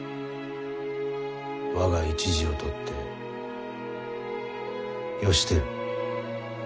我が一字を取って吉輝。